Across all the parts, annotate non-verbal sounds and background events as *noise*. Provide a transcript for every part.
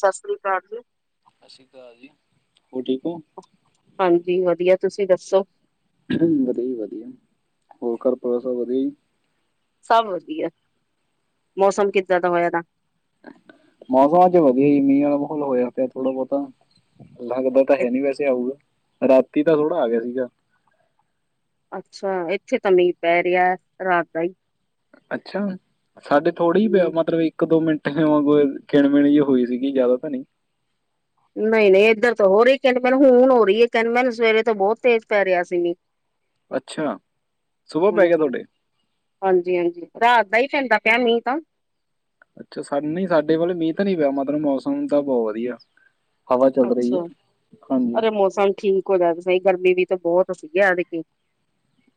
ਸਸ ਸ੍ਰੀ ਕਾਲ ਜੀ। ਸਸ ਸ੍ਰੀ ਕਾਲ ਜੀ, ਹੋਰ ਠੀਕ ਓ। ਹਾਂਜੀ ਵਧੀਆ ਤੁਸੀਂ ਦੱਸੋ? ਵਧੀਆ-ਵਧੀਆ ਹੋਰ ਘਰ ਪਰਿਵਾਰ ਸਭ ਵਧੀਆ ਈ। ਸਭ ਵਧੀਆ ਮੌਸਮ ਕਿੱਦਾਂ ਦਾ ਹੋਇਆ ਦਾ? ਮੌਸਮ ਅੱਜ ਵਧੀਆ ਹੀ ਮੀਂਹ ਆਲਾ ਮਾਹੌਲ ਹੋਇਆ ਪਿਆ ਥੋੜਾ ਬਹੁਤਾ। ਲੱਗਦਾ ਤਾਂ ਹੈ ਨੀ ਵੈਸੇ ਆਊਗਾ ਰਾਤੀ ਤਾਂ ਥੋੜ੍ਹਾ ਆ ਗਿਆ ਸੀਗਾ। ਅੱਛਾ ਇੱਥੇ ਤਾਂ ਮੀਂਹ ਪੈ ਰਿਹਾ ਰਾਤ ਦਾ ਈ। ਅੱਛਾ ਸਾਡੇ ਥੋੜੀ ਹੀ ਪਿਆ ਹੂੰ। ਮਤਲਬ ਇੱਕ ਦੋ ਮਿੰਟ ਹੂਏ ਕਿਣ ਮਿਣ ਜੀ ਹੋਈ ਸੀਗੀ ਜਾਦਾ ਤਾਂ ਨਈ। ਨਹੀਂ ਨਈਂ-ਨਈਂ ਇੱਧਰ ਤਾਂ ਹੋ ਰਹੀ ਕਿੰਨ ਮਿਨ ਹੁਨ ਹੋ ਰਹੀ ਹੈ ਕਿਨ ਮੀਨ ਸਵੇਰੇ ਤੋਂ ਬੌਤ ਤੇਜ਼ ਪੈ ਰਿਹਾ ਸੀ। ਅੱਛਾ ਸੁਬਾਹ ਪੈ ਗਿਆ ਤੁਹਾਡੇ। ਹਾਂਜੀ-ਹਾਂਜੀ ਰਾਤ ਦਾ ਹੀ ਪੈਂਦਾ ਪਿਆ ਮੀਂਹ ਤਾਂ। ਅੱਛਾ ਸਾਨੂੰ ਸਾਡੇ ਵਲ ਮੀਂਹ ਤਾਂ ਨੀ ਪਿਆ ਮਤਲਬ ਮੌਸਮ ਤਾਂ ਬੋਹ ਵਧੀਆ। ਹਵਾ ਚੱਲ ਰਹੀ ਐ ਅੱਛਾ। ਹਾਂਜੀ। ਅਰੇ ਮੌਸਮ ਠੀ ਕ ਹੋ ਗਿਆ ਸਹੀ ਗਰਮੀ ਵੀ ਤਾਂ ਬੌਤ ਸੀ ਐਦਕਿ।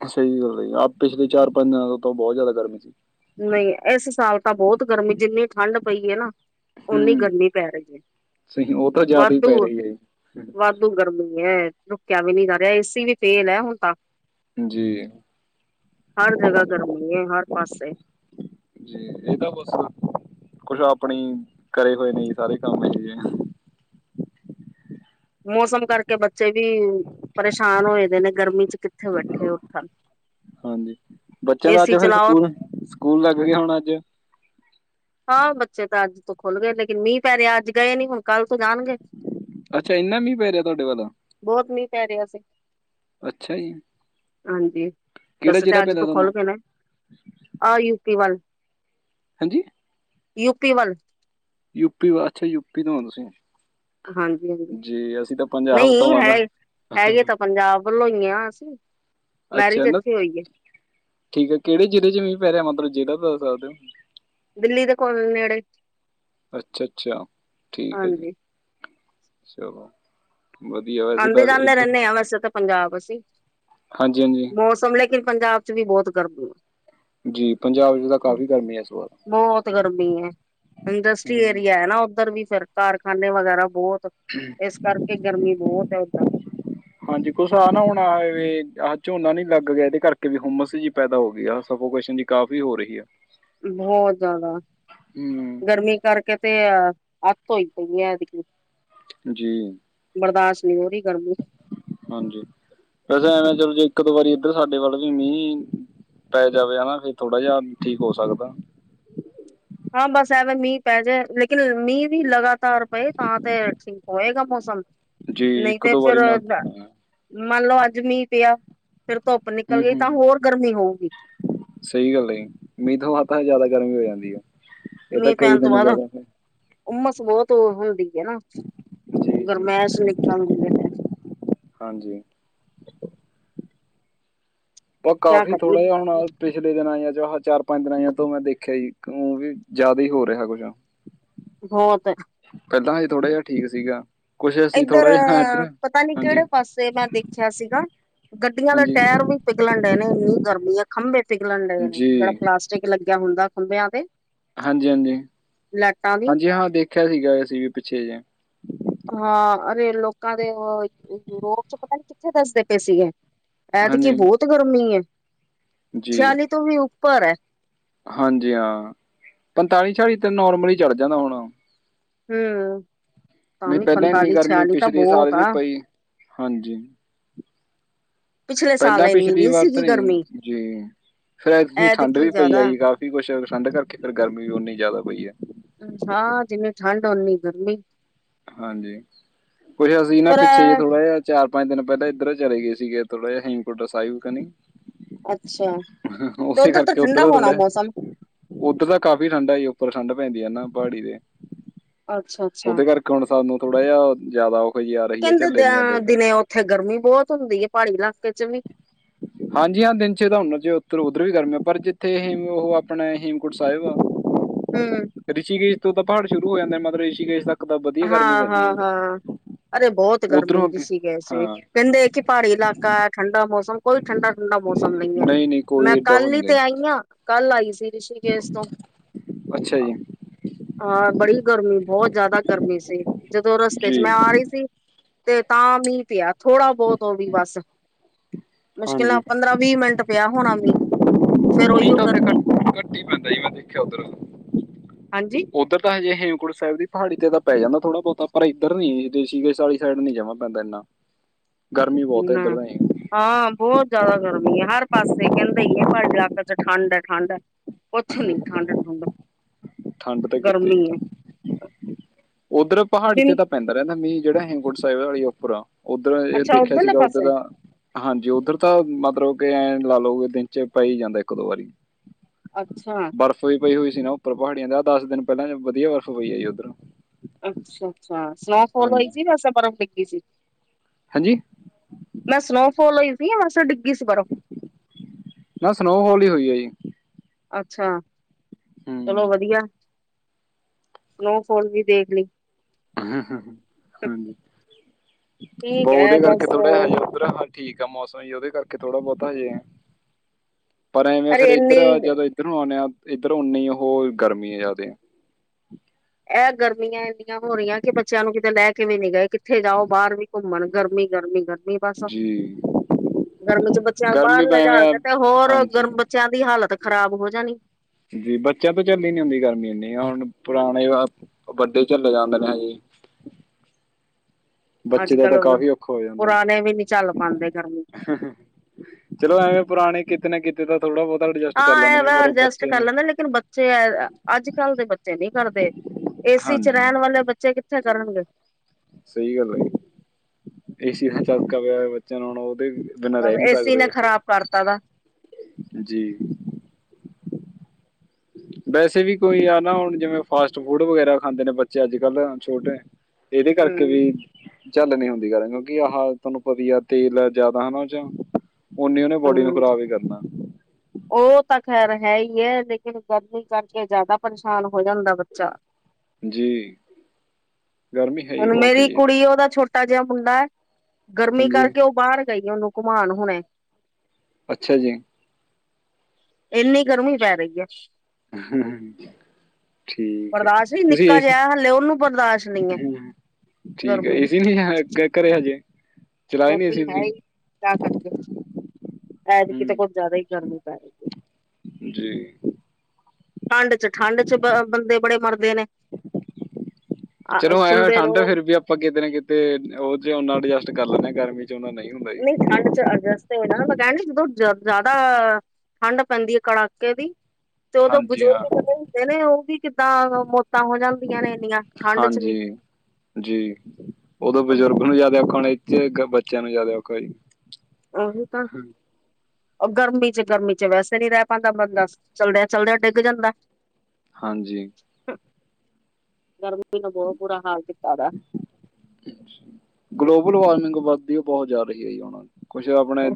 ਸਹੀ ਗੱਲ ਐ ਜੀ ਪਿਛਲੇ ਚਾਰ ਪੰਜ ਦਿਨਾਂ ਤੋਂ ਬੌਤ ਜਾਦਾ ਗਰਮੀ ਸੀ। ਨਈ ਇਸ ਸਾਲ ਤਾਂ ਬੌਤ ਗਰਮੀ ਜਿੰਨੀ ਠੰਢ ਪਈ ਏ ਨਾ ਓਨੀ ਹੂੰ ਗਰਮੀ ਪੈ ਰਹੀ ਏ ਸਹੀ ਉਹ ਤਾਂ ਜ਼ਿਆਦਾ ਹੀ ਵਾਧੂ ਪੈ ਰਹੀ ਹੈ ਵਾਧੂ ਗਰਮੀ ਏ ਰੁਕਿਆ ਵੀ ਨੀ ਜਾ ਰਿਹਾ ਏਸੀ ਵੀ ਫੇਲ ਹੈ ਹੁਣ ਤਾਂ। ਜੀ। ਜੀ ਹਰ ਜਗ੍ਹਾ ਗਰਮੀ ਏ ਹਰ ਪਾਸੇ। ਜ ਇਹਦਾ ਬਸ ਕੁਛ ਆਪਣੇ ਕਰੇ ਹੋਏ ਨੇ ਸਾਰੇ ਕੰਮ *unintelligible* ਮੌਸਮ ਕਰਕੇ ਬੱਚੇ ਵੀ ਪਰੇਸ਼ਾਨ ਹੋਏ ਦੇ ਨੇ ਗਰਮੀ ਚ ਕਿੱਥੇ ਬੈਠੇ ਉੱਠਣ। ਹਾਂਜੀ, ਬੱਚਿਆਂ ਦਾ ਅੱਜ ਏਸੀ ਫਿਰ ਚਲਾਓ ਸਕੂਲ, ਸਕੂਲ ਲੱਗ ਗਏ ਹੁਣ ਅੱਜ। ਹਾਂ, ਬੱਚੇ ਤਾਂ ਅੱਜ ਤੋਂ ਖੁੱਲ੍ਹ ਗਏ ਲੇਕਿਨ ਮੀਂਹ ਪੈ ਰਿਹਾ ਅੱਜ ਗਏ ਨੀ ਹੁਣ ਕੱਲ੍ਹ ਤੋਂ ਜਾਣਗੇ। ਅੱਛਾ ਇੰਨਾ ਮੀਂਹ ਪੈ ਰਿਹਾ ਤੁਹਾਡੇ ਵੱਲ ਬਹੁਤ ਮੀਂਹ ਪੈ ਰਿਹਾ ਸੀ। ਅੱਛਾ ਜੀ ਹਾਂਜੀ ਦੱਸ ਕਿਹੜਾ ਤੇ ਜ਼ਿਲ੍ਹਾ ਅੱਜ ਪੈਂਦਾ ਤੋਂ ਤੁਹਾਨੂੰ ਖੁੱਲ ਗਏ ਨੇ। ਆਹ ਯੂ ਪੀ ਵੱਲ ਹਾਂਜੀ। ਯੂ ਪੀ ਵੱਲ। ਯੂਪੀ ਵ ਅੱਛਾ ਯੂਪੀ ਤੋਂ ਤੁਸੀਂ। ਹਾਂਜੀ, ਹਾਂਜੀ ਜੀ ਅਸੀਂ ਤਾਂ ਪੰਜਾਬ ਨਹੀਂ ਤੋਂ ਆ ਹੈ ਨਾ ਹੈਗੇ ਤਾਂ ਪੰਜਾਬ ਵੱਲੋਂ ਹੀ ਆ ਅਸੀਂ। ਮੈਰਿਜ ਅੱਛਾ ਨਾ ਇੱਥੇ ਹੋਈ ਹੈ ਠੀਕ ਹੈ ਕਿਹੜੇ ਜ਼ਿਲ੍ਹੇ ਚ ਮੀਂਹ ਪੈ ਰਿਆ ਮਤਲਬ ਜ਼ਿਲ੍ਹਾ ਦੱਸ ਸਕਦੇ ਹੋ। ਦਿੱਲੀ ਦੇ ਕੋਲ ਨੇੜੇ। ਅੱਛਾ, ਅੱਛਾ ਠੀਕ ਹੈ ਜੀ। ਹਾਂਜੀ ਚਲੋ। ਵਧੀਆ। ਵੈਸੇ ਤਾਂ ਆਂਦੇ ਜਾਂਦੇ ਇੱਧਰ ਰਹਿੰਨੇ ਆ ਵੈਸੇ ਤਾਂ ਪੰਜਾਬ ਅਸੀ। ਹਾਂਜੀ, ਹਾਂਜੀ। ਮੌਸਮ ਲੇਕਿਨ ਪੰਜਾਬ ਚ ਵੀ ਬਹੁਤ ਗਰਮੀ ਜੀ ਪੰਜਾਬ 'ਚ ਤਾਂ ਕਾਫੀ ਗਰਮੀ ਹੈ ਇਸ ਵਾਰ ਬਹੁਤ ਗਰਮੀ ਏ। ਇੰਡਸਟਰੀ ਹੂੰ ਏਰੀਆ ਹੈ ਨਾ ਉੱਧਰ ਵੀ ਫਿਰ ਕਾਰਖਾਨੇ ਵਗੈਰਾ ਬਹੁਤ ਹਮ। ਇਸ ਕਰਕੇ ਗਰਮੀ ਬਹੁਤ ਹੈ ਉੱਧਰ। ਹਾਂਜੀ, ਕੁਛ ਆ ਨਾ ਹੁਣ ਆਹ ਝੋਨਾ ਨੀ ਲੱਗ ਗਿਆ ਇਹਦੇ ਕਰਕੇ ਵੀ ਹੁੰਮਸ ਜੀ ਪੈਦਾ ਹੋ ਗਈ ਆ ਸਫੋਕੇਸ਼ਨ ਜਈ। ਕਾਫ਼ੀ ਹੋ ਰਹੀ ਹੈ। ਬਹੁਤ ਜ਼ਿਆਦਾ ਹੂੰ ਗਰਮੀ ਕਰਕੇ ਤੇ ਆ ਅਤ ਹੋਈ ਪਈ ਐ ਐਤਕੀ। ਜੀ। ਬਰਦਾਸ਼ਤ ਨਹੀਂ ਹੋ ਰਹੀ ਗਰਮੀ। ਹਾਂਜੀ, ਵੈਸੇ ਐਵੇਂ ਚਲੋ ਜੇ ਇੱਕ ਦੋ ਵਾਰੀ ਇੱਧਰ ਸਾਡੇ ਵੱਲ ਵੀ ਨੀਂ ਪੈ ਜਾਵੇ ਨਾ ਫ਼ਿਰ ਥੋੜਾ ਜਿਹਾ ਠੀਕ ਹੋ ਸਕਦਾ। ਹਾਂ, ਬਸ ਐਵੇ ਮੀਂਹ ਪੈ ਜਾਏ ਲੇਕਿਨ ਮੀਂਹ ਵੀ ਲਗਾਤਾਰ ਪਏ ਤਾਂ ਤੇ ਠੀਕ ਹੋਏਗਾ ਮੌਸਮ। ਜੀ ਨਹੀਂ ਇੱਕ ਤੇ ਦੋ ਫਿਰ ਵਾਰੀ ਨਾਲ ਤਾਂ ਹਾਂ, ਮੰਨ ਲੋਓ ਅੱਜ ਮੀਂਹ ਪਿਆ ਫਿਰ ਧੁੱਪ ਨਿਕਲ ਹੂੰ ਗਈ ਹੂੰ ਤਾਂ ਹੋਰ ਗਰਮੀ ਹੋਊਗੀ। ਸਹੀ ਗੱਲ ਏ, ਮੀਂਹ ਤੋਂ ਬਾਦ ਤਾਂ ਜਿਆਦਾ ਗਰਮੀ ਹੋ ਜਾਂਦੀ ਆ। ਮੀਂ ਪੈਣ ਤੋਂ ਬਾਅਦ ਉਮਸ ਬਹੁਤ ਹੁੰਦੀ ਏ ਨਾ। ਜੀ ਜੀ ਗਰਮੈਸ਼ ਨਿਕਲ ਦੀ ਹੈ ਫਿਰ ਹਾਂਜੀ। ਪਰ ਕਿਆ ਕਾਫੀ ਕਰੀਏ ਥੋੜਾ ਜਿਹਾ ਹ ਪਿਛਲੇ ਦਿਨਾਂ ਆ ਚ ਚਾਰ ਪੰਜ ਦਿਨ ਆਈਆਂ ਤੋ ਮੈਂ ਦੇਖਿਆ ਜੀ ਵੀ ਜਿਆਦਾ ਹੀ ਹੋ ਰਿਹਾ ਕੁਛ ਬਹੁਤ ਕੱਦਾ ਅੇ ਥੋੜਾ ਜਿਹਾ ਠੀਕ ਸੀਗਾ। ਕੁਛ ਅਸੀਂ ਇੱਧਰ ਥੋੜ੍ਹਾ ਜਿਹਾ ਇੱਧਰ ਪਤਾ ਨੀ ਹਾਂਜੀ ਕਿਹੜੇ ਪਾਸੇ ਮੈਂ ਦੇਖ ਦੇਖਿਆ ਸੀਗਾ, ਗੱਡੀਆਂ ਦੇ ਹਾਂਜੀ ਟਾਇਰ ਵੀ ਪਿਘਲਣ ਡਏ ਨੇ ਇੰਨੀ ਗਰਮੀ ਏ ਖੰਭੇ ਪਿਘਲਣ ਡਏ ਨੇ ਜਿਹੜਾ ਜੀ ਪਲਾਸਟਿਕ ਲਗਿਆ ਹੁੰਦਾ ਖੰਭਿਆਂ ਤੇ- ਹਾਂਜੀ- ਹਾਂਜੀ- ਲਾਈਟਾਂ ਦੀ ਹਾਂਜੀ ਹਾਂ ਦੇਖਿਆ ਸੀਗਾ ਅਸੀ ਵੀ ਪਿਛੇ ਜਿ- ਹਾਂ ਅਰੇ ਲੋਕਾ ਦੇ ਯੂਰੋਪ ਚ ਪਤਾ ਨੀ ਕਿਥੇ ਦੱਸਦੇ ਪਏ ਸੀਗੇ। ਐਤਕੀ ਹਾਂਜੀ ਬੋਤ ਗਰਮੀ ਏ। ਜੀ ਛਿਆਲੀ ਤੋ ਵੀ ਉਪਰ ਐ। ਹਾਂਜੀ ਹਾਂ। ਪੰਤਾਲੀ ਛਿਆਲੀ ਤੇ ਨੋਰਮਲੀ ਚੜ੍ਹ ਜਾਦਾ ਹੁਣ। ਹੂੰਅ। ਮੀ ਪੈਲਾਂ ਏਨੀ ਗਰਮੀ ਪਿਛਲੇ ਸਾਲ ਬਹੁਤ ਵੀ ਆ ਪਈ। ਹਾਂਜੀ- ਪਿਛਲੇ ਸਾਲ ਪੈਲਾਂ ਇੰਨੀ ਪਿਛਲੀ ਨਹੀਂ ਵਾਰ ਸੀਗੀ ਤਰ‌ਈਂ ਗਰਮੀ ਜੀ- ਫੇਰ ਐਤਕੀਂ ਠੰਡ ਐਤਕੀ ਵੀ ਪਈ ਜ਼ਿਆਦਾ ਆ ਜੀ, ਕਾਫੀ ਕੁੱਛ ਠੰਢ ਕਰਕੇ ਫਿਰ ਗਰਮੀ ਵੀ ਓਨੀ ਜਾਦਾ ਹੋਈ ਐ। ਹਾਂ ਜਿਨੀ ਠੰਡ ਓਨੀ ਗਰਮੀ। ਹਾਂਜੀ ਕੁਛ ਅਸੀ ਨਾ ਪਰ ਪਿਛੇ ਜੇ ਥੋੜਾ ਜਿਆ- ਚਾਰ ਪੰਜ ਦਿਨ ਪੈਲਾ ਏਧਰ ਚਲੇ ਗੇ ਸੀਗੇ, ਥੋੜਾ ਜਿਆ ਹੈਮਕੁੰਡ ਸਾਇਬ ਕਨੀ। ਅੱਛਾ। ਤੇ ਓਸੇ ਉੱਧਰ ਤਾਂ ਕਰਕੇ ਠੰਡਾ ਓਧਰੋ ਹੋਣਾ ਥੋੜੇ- ਮੌਸਮ ਓਧਰ ਤਾਂ ਕਾਫ਼ੀ ਠੰਡਾ ਆ ਈ। ਉਪਰ ਠੰਢ ਪੈਂਦੀ ਐ ਨਾ ਪਾੜੀ ਤੇ- ਅੱਛਾ। ਅੱਛਾ- ਸਾਨੂੰ ਥੋੜਾ ਜਿਹਾ ਜ਼ਿਆਦਾ ਔਖ ਜੀ ਆ ਰਹੀ ਹੈ ਕੈਂਦੇ ਝੱਲੇ ਨਹੀਂ ਆਉਂਦਾ ਦੇਆ ਇੱਧਰ ਦਿਨੇ ਓਥੇ ਗਰਮੀ ਬੋਤ ਹੁੰਦੀ ਏ। ਪਾੜੀ ਇਲਾਕੇ 'ਚ ਵੀ- ਹਾਂਜੀ ਹਾਂ ਦਿਨ 'ਚ ਤਾਂ ਹੁਨਾ ਜੇ ਓਧ ਓਧਰ ਵੀ ਗਰਮੀ ਆ। ਪਰ ਜਿਥੇ ਏ ਓ ਆਪਣੇ ਹੇਮਕੁੰਡ ਸਾਇਬ ਆ। ਹੂੰ। ਰਿਸ਼ੀਕੇਸ਼ ਤੋ ਤਾਂ ਪਾੜ ਸ਼ੁਰੂ ਓ ਜਾਂਦੇ, ਮਤਲਬ ਰਿਸ਼ੀਕੇਸ਼ ਦਾ- ਹਾਂ- ਹਾਂ- ਹਾਂ ਅਰੇ ਬੋਤ ਗਰਮੀ ਉਧਰੋਂ ਅੱਗੇ ਰਿਸੀ਼ਕੇਸ ਵੀ- ਹਾਂ ਕੈੰਦੇ ਕੀ ਪਾੜੀ ਇਲਾਕਾ, ਠੰਡਾ ਮੌਸਮ ਕੋਈ ਠੰਡਾ ਠੁੰਡਾ ਮੌਸਮ ਨਈ ਐ। ਨਹੀਂ ਨਹੀਂ ਕੋਈ ਮੈਂ ਏਡਾ ਹੋ ਕਲ ਈ ਨਹੀਂ ਤੇ ਗਈ ਆਈ ਆਂ, ਕਲ ਆਈ ਸੀ ਰਿਸ਼ੀ ਕੇਸ਼ ਤੋਂ। ਅੱਛਾ ਜੀ ਹਾਂ ਬੜੀ ਗਰਮੀ ਬੋ ਜਾਦਾ ਗਰਮੀ ਸੀ। ਜਦੋਂ ਰਸਤੇ 'ਚ ਜੀ ਮੈਂ ਆ ਰੀ ਸੀ। ਤੇ ਤਾਂ ਮੀਂਹ ਪਿਆ, ਥੋੜਾ ਬੋਤ ਓ ਵੀ ਬਸ ਮੁਸ਼ਕਿਲ ਨਾਲ ਹਾਂਜੀ ਪੰਦਰਾਂ- ਵੀ ਮਿੰਟ ਪਿਆ ਹੋਣਾ ਮੀਂ। ਫੇਰ ਓਈਓ ਗਰਮੀ- ਮੀਂ ਪੈਂਦਾ ਨੀ ਮੈ ਦੇਖਿਆ ਓਧਰ। ਹਾਂਜੀ ਓਧਰ- ਤਾਂ ਹਜੇ ਹੇਮਕੁੰਡ ਸੈਬ ਦੀ ਪਹਾੜੀ ਤੇ ਤਾਂ ਪੈ ਜਾਂਦਾ ਥੋੜਾ ਬੋਤਾ, ਪਰ ਏਧਰ ਨੀ ਰਿਸ਼ੀਕੇਸ਼ ਆਲੀ ਸਾਈਡ ਨੀ ਜਮਾਂ ਪੈਂਦਾ ਏਨਾ। ਗਰਮੀ ਬੋਤ ਨਾ ਏਧਰ ਦਾ ਈ। ਹਾਂ ਬੋਤ ਜਾਦਾ ਗਰਮੀ ਆ। ਹਰ ਪਾਸੇ ਕੈਂਦੇ ਈ ਐ ਪਾੜੀ ਲਾਕੇ 'ਚ ਠੰਡ‌ ਐ ਠੰਡ ਐ। ਕੁਛ ਨੀ ਠੰਡ- ਠੁੰਡ, ਠੰਡ ਤਾਂ ਗਰਮੀ ਏ। ਓਧਰ ਪਹਾੜੀ ਤੇ ਤਾਂ ਪੈਂਦਾ ਰੈਂਦਾ ਮੀਂ, ਜੇੜਾ ਹੇਮਕੁੰਡ ਸਾਇਬ ਵਾਲੀ ਉਪਰ ਆ। ਓਧਰੋਂ ਏ ਅੱਛਾ ਦੇਖਿਆ ਉੱਧਰਲੇ ਸੀਗਾ ਓਧਰ ਪਾਸੇ ਦਾ- ਹਾਂਜੀ ਓਧਰ ਤਾਂ ਮਤਲਬ ਕਿ ਐਂ ਲਾ ਲੋ ਦਿਨ 'ਚ ਪੈ ਈ ਜਾਂਦਾ ਇਕ ਦੋ ਵਾਰੀ। ਅੱਛਾ- ਬਰਫ਼ ਵੀ ਪਈ ਹੋਈ ਸੀ ਨਾ ਉਪਰ ਪਹਾੜੀਆਂ ਦੇ। ਆ ਦਸ ਦਿਨ ਪੈਲਾ ਵਧੀਆ ਬਰਫ਼ ਪਈ ਐ ਜੀ ਓਧਰ। ਅੱਛਾ- ਅੱਛਾ ਸਨੋਫੋਲ ਹੋਈ ਸੀ ਜਾਂ ਏਸ਼ੇਰਾਂ ਬਰਫ਼ ਡਿੱਗੀ ਸੀ। ਹਾਂਜੀ। ਮੈ ਸਨੋਫੋਲ ਹੋਈ ਸੀ ਜਾਂ ਵੈਸੇ ਡਿੱਗੀ ਸੀ ਬਰਫ। ਨਾ ਸਨੋਫੋਲ ਈ ਹੋਈ ਐ ਜੀ। ਅੱਛਾ ਚਲੋ ਹੂੰ ਵਧੀਆ। ਸਨੋਫੋਲ ਵੀ ਦੇਖ ਲੀ। ਊਹੂੰ ਹੂੰ ਠੀਕ ਹੈ ਓਦੇ ਕਰਕੇ ਬਸ ਥੋੜਾ ਹਜੇ- ਉਰਾ ਹਾਂ ਠੀਕ ਆ ਮੌਸਮ ਜੀ ਓਦੇ ਕਰਕੇ ਥੋੜਾ ਬੋਤਾ ਹਜੇ - ਪਰ ਐਵੇ ਅਰੇ ਫੇਰ ਇੰਨੀ ਏਧਰ ਜਦੋ ਇਹ ਏਧਰੋਂ ਆਉਣੇ ਆ, ਏਧਰ ਓਨੀ ਉਹ ਗਰਮੀ ਏ ਜਾਦੇ। ਐ ਗਰਮੀਆਂ ਏਨੀਆਂ ਹੋ ਰੀਆਂ ਕਿ ਬੱਚਿਆਂ ਨੂੰ ਕਿਤੇ ਲੈਕੇ ਵੀ ਨੀ ਗਏ, ਕਿਥੇ ਜਾਓ ਬਾਰ ਵੀ ਘੁੰਮਣ ਗਰਮੀ- ਗਰਮੀ- ਗਰਮੀ। ਬਸ ਜੀ- ਗਰਮੀ ਚ ਬੱਚੇਆਂ ਬਾਰ ਗਰਮੀ ਤਾਂ ਐਵੇਂ ਆ, ਲੈਜਾਕੇ ਤੇ ਹੋਰ, ਹਾਂਜੀ ਗਰਮ ਬੱਚੇਆਂ ਦੀ ਹਾਲਤ ਖਰਾਬ ਹੋ ਜਾਨੀ। ਜੀ ਬੱਚੇਆਂ ਤੋਂ ਝੱਲਲੀ ਨੀ ਹੁੰਦੀ ਗਰਮੀ ਇੱਨੀ, ਹੁਨ ਪੁਰਾਨੇ ਵਾ ਵੱਡੇ ਝੱਲੇ ਜਾਦੇ ਨੇ ਏ। ਬੱਚੇ ਅੱਜ ਦਾ ਤਾਂ ਕੱਲ ਕਾਫੀ ਔਖਾ ਹੋ ਜਾਂਦਾ ਏ। ਪੁਰਾਣੇ ਵੀ ਨੀ ਚੱਲ ਪਾਉਂਦੇ ਗਰਮੀ *unintelligible* ਚਲੋ ਐਵੇਂ ਪੁਰਾਣੇ ਕਿਤੇ ਨਾ ਕਿਤੇ ਤਾ ਥੋੜਾ ਬੋਤਾ ਅਰਜਸਟ ਕਾਰ ਹਾਂ ਲੈਂਦੇ ਇਹ ਨੇ, ਪਰ ਐਡਜਸਟ ਬੱਚੇ ਕਰ ਨੂੰ। ਲੈਂਦੇ ਲੇਕਿਨ ਬੱਚ ਬੱਚੇ ਐ ਅੱਜ-ਕੱਲ ਦੇ ਬੱਚੇ ਨੀ ਕਰਦੇ, ਏਸੀ ਚ ਹਾਂਜੀ ਰੈਨ ਵਾਲੇ ਬੱਚੇ ਕਿੱਥੇ ਕਰਨਗੇ। ਸਈ ਗਾੱਲ ਐ। ਏਸੀ ਦਾ ਚਸਕਾ ਪੇਆ ਬੱਚੇਆਂ ਨੂੰ, ਹੁਨ ਓਦੇ ਬਿਨਾਂ ਬਸ ਰੈਅ ਨੀ ਏਸੀ ਸਕਦੇ ਨੇ ਬੱਚੇ। ਖ਼ਰਾਬ ਕਰਤਾ ਗਾ। ਜੀ। ਵੈਸੇ ਵੀ ਕੋਈ ਆ ਨਾ ਹੁਨ ਜਿਵੇਂ ਫਾਸਟ ਫੂਡ ਵਗੈਰਾ ਖਾਂਦੇ ਨੇ ਬੱਚੇ ਅੱਜ-ਕੱਲ ਛੋਟੇ ਏਦੇ ਕਾਰਕੇ ਹਮ ਵੀ ਝੱਲ ਨੀ ਹੁੰਦੀ ਗਰਮ, ਕਿਉਂਕਿ ਆਹ ਤੁਆਨੂੰ ਪਵੀ ਆ ਤੇਲ ਜਾਦਾ ਨਾ ਓ ਚੋਂ ਓਨੀ ਓਨੇ ਬੋਡੀ ਨੂੰ ਖ਼ਰਾਬ ਈ ਕਰਨਾ। ਓ ਤਾਂ ਖੈਰ ਹੈ ਈ ਏ, ਲੇਕਿਨ ਗਰਮੀ ਕਾਰਕੇ ਜਾਦਾ ਪਰੇਸ਼ਾਨ ਹੋ ਜਾਂਦਾ ਬੱਚਾ। ਜੀ ਗਰਮੀ ਹੈ ਹੀ ਹੁਨ ਬਹੁਤ ਹੈ ਮੇਰੀ ਜੀ ਕੁੜੀ ਓਦਾ ਛੋਟ ਚਿੱਟਾ ਜੇਆ ਮੁੰਡਾ ਐ, ਗਰਮੀ ਹਾਂਜੀ ਕਾਰਕੇ ਓ ਬਾਰ ਗਈ ਏ ਓਨੂੰ ਘੁਮਾਨ ਹੁਣੇ। ਅੱਛਾ ਜੀ। ਏੱਨੀ ਗਰਮੀ ਪੈ ਰਈ ਐ! ਠੀਕ ਹੈ ਬਰਦਾਸ਼ ਨੀ ਤੁਸੀਂ ਨਿੱਕਾ ਏ ਸੀ ਜੇਐ ਹੱਲੇ ਓਨੂੰ ਬਰਦਾਸ਼ ਨਈ ਏ ਠੀਕ ਹੈ ਗਰਮੀ। ਏ ਸੀ ਨਹੀਂ ਘਰੇ ਹਜੇ ਚਲਾਏ ਨਹੀਂ ਏ ਗਰਮੀ ਸੀ ਹੈ ਤੁਸੀਂ ਈ ਕੇਆ ਕਰੀਏ, ਐਦਕੀ ਤੇ ਹੂੰ ਕੁੱਝ ਜਾਦਾ ਈ ਗਰਮੀ ਪੈ ਰਈ ਏ। ਜੀ। ਠਾੰਡ ਚ, ਠਾੰਡ ਚ ਬ ਬੰਦੇ ਬੜੇ ਮਰਦੇ ਨੇ। ਚਲੋ ਐਂ ਹੋਏ ਸੁਣਦੇ ਠਾੰਡ ਰਹੋ ਫੇਰ ਵੀ ਆਪਾਂ ਕਿਤੇ ਨਾ ਕਿਤੇ ਓ ਚ ਓੱਨਾ ਅਡਜਸਟ ਕਾਰ ਲੈਂਦੇ ਆਂ ਗਰਮੀ ਚ ਓੱਨਾ ਨਈ ਨਈ ਠਾੰਡ ਚ ਅਰਜਸਟ *unintelligible* ਕੈਂ ਨੀ ਸੀ ਜਦੋਂ ਜਾਦਾ ਅ ਠਾੰਡ ਪੈਂਦੀ ਏ ਕੜਾਕੇ ਦੀ ਤੇ ਓਦੋਂ ਹਾਂਜੀ ਬਜ਼ੁਰਗ ਹਾਂ ਜੇੜੇ ਹੁੰਦੇ ਨੇ, ਓ ਵੀ ਕਿੱਦਾਂ ਮੌਤਾਂ ਹੋ ਜਾਂਦੀਆਂ ਨੇ ਇੰਨੀਆਂ, ਠਾੰਡ ਇਚ ਵੀ। ਹਾਂਜੀ, ਜੀ, ਓਦੋਂ ਬਜ਼ੁਰਗ ਨੂੰ ਜਾਦਾ ਔਖਾ ਹੋਣਾ ਇੱਚ, ਬੱਚੇਆਂ ਨੂੰ ਜਾਦਾ ਔਖਾ ਈ। ਉਹੀ ਤਾਂ ਓ ਗਰਮੀ ਚ, ਗਰਮੀ ਚ ਵੈਸੇ ਨੀ ਰੈ ਪਾਂਦਾ ਬੰਦਾ। ਚਲਦੇਆਂ-ਚਲਦੇਆਂ ਡਿੱਗ ਜਾਂਦੈ। ਹਾਂਜੀ। ਗਰਮੀ ਨੇ ਬੋਹਤ ਬੁਰਾ ਹਾਲ ਕੀਤਾ ਦਾ। ਗਲੋਬਲ ਵਾਰਮਿੰਗ ਵੱਦਦੀ ਏ ਬੋਤ ਜਾਦਾ ਈ ਏ ਓਣਾ ਦੇ, ਕੁੱਛ ਆਪਣੇ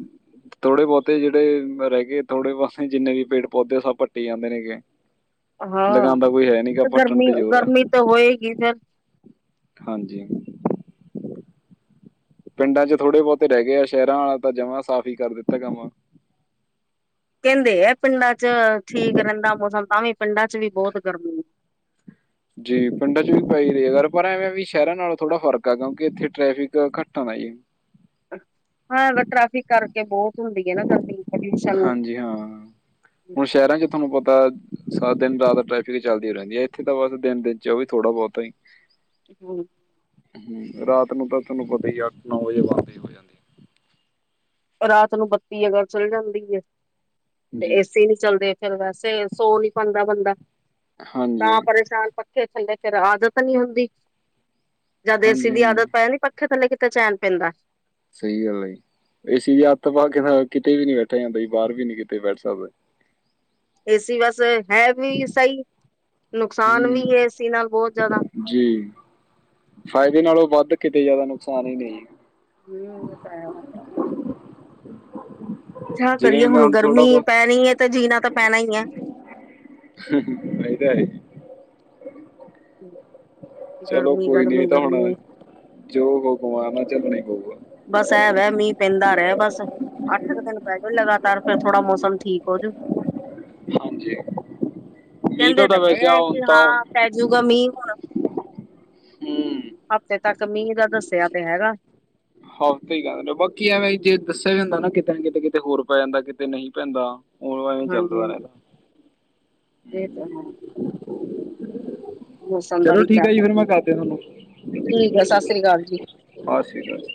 ਥੋੜੇ ਬੋਤੇ ਜੇੜੇ ਰੈਗੇ ਥੋੜੇ ਪਾਸੇ, ਜਿੰਨੇ ਵੀ ਪੇੜ ਪੌਦੇ ਸਬ ਪੱਟੀ ਜਾਂਦੇ ਨੇਗੇ। ਹਾਂ, ਲਗਾਉਂਦਾ ਕੋਈ ਹੈ ਨੀ ਗਾ ਤੇ ਪੱਟਣ ਤੇ ਜ਼ੋਰ ਆ ਗਰਮੀ-ਗਰਮੀ ਤੇ ਹੋਏਗੀ ਫੇਰ ਹਾਂਜੀ। ਪਿੰਡਾਂ ਚ ਥੋੜੇ ਬੋਤੇ ਰੈ ਗਏ ਆ, ਸ਼ਐਰਾਂ ਆਲਾ ਤਾਂ ਜਮਾਂ ਸਾਫ਼ ਈ ਕਾਰ ਦਿੱਤਾ ਕਾੰਮ। ਕੈਂਦੇ ਐ ਪਿੰਡਾਂ ਚ ਠੀਕ ਰੈਂਦਾ ਮੌਸਮ, ਤਾਂ ਵੀ ਪਿੰਡਾਂ ਚ ਵੀ ਬੋਤ ਗਰਮੀ। ਜੀ ਪਿੰਡਾਂ ਚ ਵੀ ਪੈ ਈ ਰਈ ਐ, ਪਰ ਐਵੇਂ ਵੀ ਸ਼ਐਰਾਂ ਨਾਲ ਥੋੜਾ ਫਰਕ ਐ, ਕਿਉਂਕਿ ਇੱਥੇ ਟ੍ਰੈਫਿਕ ਘਾੱਟ ਆ ਨਾ ਈ। ਹਾਂ ਐਵੈ ਟ੍ਰੈਫਿਕ ਕਾਰਕੇ ਬੋਤ ਹੁੰਦੀ ਏ ਨਾ ਗਰਮੀ। ਪੋਲਿਊਸ਼ਨ ਹਾਂਜੀ, ਹਾਂ। ਹੁਨ ਸ਼ਐਰਾਂ ਚ ਤੁਆਨੂੰ ਪਤਾ, ਸਾ ਦਿਨ-ਰਾਤ ਟਰੈਫਿਕ ਚੱਲਦੀ ਰੈਂਦੀ ਐ, ਇੱਥੇ ਤਾਂ ਬਾੱਸ ਦਿਨ-ਦਿਨ ਚ, ਓ ਵੀ ਥੋੜਾ ਬੋਤਾਂ ਈ। ਹੂੰ। ਹੂੰ, ਰਾਤ ਨੂੰ ਤਾਂ ਤੂਆਨੂੰ ਪਤਾ ਈ ਆ, ਆੱਠ-ਨੌ ਵਜੇ ਬਾੰਦ ਈ ਹੋ ਜਾਂ ਰਾਤ ਨੂੰ ਬੱਤੀ ਅਗੱਲ ਚਲ ਜਾਂਦੀ ਏ ਹੈ। ਤੇ ਜੀ ਏਸੀ ਨੀ ਚੱਲਦੇ ਫਿਰ ਵੈਸੇ ਸੌ ਨੀ ਪਾਂਦਾ ਬੰਦਾ ਹਾਂਜੀ ਤਾਂ ਪਰੇਸ਼ਾਨ ਪ ਪੱਖੇ ਥੱਲੇ ਫਿਰ ਆਦਤ ਨੀ ਹੁੰਦੀ ਜਦ ਦੇਸੀ ਹਾਂਜੀ ਦੀ ਆਦਤ ਹਾਂਜੀ ਪੈ ਨੀ ਪੱਖੇ ਥੱਲੇ ਕਿਤੇ ਚੈਣ ਪੈਂਦਾ ਸਹੀ ਗੱਲ ਆ ਏਸੀ ਦੀ ਆਦਤ ਪਾ ਕੇ ਫਿਰ ਕਿਤੇ ਵੀ ਨੀ ਬੈਠਿਆ ਜਾਂਦਾ ਬਾਹਰ ਵੀ ਨੀ ਕਿਤੇ ਬੈਠ ਸਕਦਾ ਏਸੀ ਬਸ ਹੈ ਵੀ ਸਹੀ ਨੁਕਸਾਨ ਵੀ ਹੂੰ ਏਸੀ ਨਾਲ ਬਹੁਤ ਜ਼ਿਆਦਾ ਜੀ ਫਾਇਦੇ ਨਾਲੋਂ ਵੱਧ ਕਿੱਤੇ ਜ਼ਿਆਦਾ ਨੁਕਸਾਨ ਹੀ ਨਹੀਂ ਹੈ। ਹਮ ਉਹ ਤੇ ਹੈ *unintelligible* ਕਿਆ ਕਰੀਏ ਜਿਵੇਂ ਮੈਂ ਹੁਣ ਥੋੜਾ ਗਰਮੀ ਬਹੁਤ ਪੈਣੀ ਤੇ ਜੀਣਾ ਤਾਂ ਪੈਣਾ ਹੀ ਹੈ। ਇਹ ਤੇ ਹੈ। ਹਮ। ਚਲੋ ਕੋਈ ਨੀ ਏ ਤਾਂ ਹੁਣ ਜੋ ਹੋਗ ਓ ਝੱਲਣਾ ਹੀ ਪਊਗਾ। ਬਸ ਐ ਵੈ ਮੀਂਹ ਪੈਂਦਾ ਰਹਿ ਬਸ। ਅੱਠ ਕੁ ਦਿਨ ਪੈ ਜੂ ਲਗਾਤਾਰ ਫੇਰ ਥੋੜਾ ਮੌਸਮ ਠੀਕ ਹੋਜੂ। ਹਾਂਜੀ ਮੀਂਹ ਕਹਿੰਦੇ ਤਾਂ ਤੇ ਤਾਂ ਵੈਸੇ ਪਏ ਆ ਹੁਣ ਕਿ ਤਾਂ ਹਾਂ। ਪੈ ਜੂਗਾ ਮੀਂਹ ਹੁਣ। ਹੂੰ ਹਫ਼ਤੇ ਤੱਕ ਮੀਂਹ ਦਾ ਦੱਸਿਆ ਪਿਆ ਹੈਗਾ। *unintelligible* ਬਾਕੀ ਐਵੇਂ ਜੇ ਦੱਸਿਆ ਹੁੰਦਾ ਨਾ ਕਿਤੇ ਨਾ ਕਿਤੇ ਕਿਤੇ ਹੋਰ ਪੈ ਜਾਂਦਾ ਕਿਤੇ ਨਹੀਂ ਪੈਂਦਾ। ਉਨਲਾਈਨ ਹਾਂਜੀ ਚੱਲਦਾ ਹਾਂਜੀ ਰਹਿੰਦਾ ਇਹ ਤਾਂ ਹੈ ਹੂੰ। ਮੌਸਮ ਦਾ ਚਲੋ ਵੀ ਠੀਕ ਕਿਆ ਆ ਜੀ ਫਿਰ ਕਰੀਏ ਮੈਂ ਕਾਤੇ ਤੁਹਾਨੂੰ ਠੀਕ ਹੈ ਸਤਿ ਸ੍ਰੀ ਅਕਾਲ ਜੀ। ਬਸ ਜੀ ਬਸ